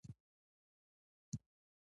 فقر به ورک شي؟